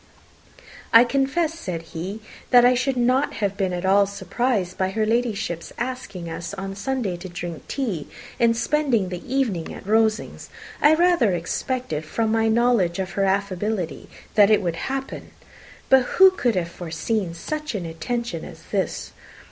"I confess," said he, "that I should not have been at all surprised by her Ladyship's asking us on Sunday to drink tea and spend the evening at Rosings. I rather expected, from my knowledge of her affability, that it would happen. But who could have foreseen such an attention as this?